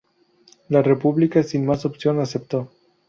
La República, sin más opción, aceptó.